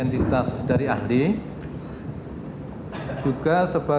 bahasa inggris oke